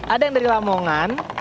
ada yang dari lamongan